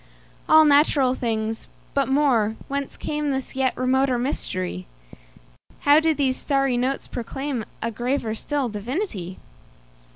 All natural things! But more—Whence cameThis yet remoter mystery? How do these starry notes proclaimA graver still divinity?